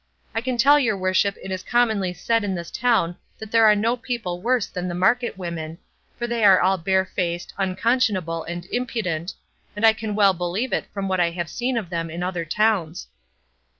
I can tell your worship it is commonly said in this town that there are no people worse than the market women, for they are all barefaced, unconscionable, and impudent, and I can well believe it from what I have seen of them in other towns.